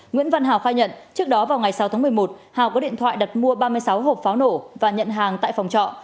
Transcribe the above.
nguyễn văn hào khai nhận trước đó vào ngày sáu tháng một mươi một hào có điện thoại đặt mua ba mươi sáu hộp pháo nổ và nhận hàng tại phòng trọ